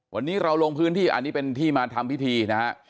วันนี้เราลงพื้นที่อันนี้เป็นที่มาทำพิธีนะฮะ